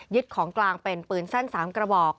ยึดของกลางเป็นปืนแส้นสามกระบอก